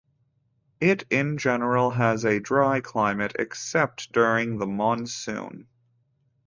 It in general has a dry climate except during the monsoon.